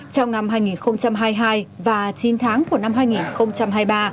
trong năm hai nghìn hai mươi hai và chín tháng của năm hai nghìn hai mươi ba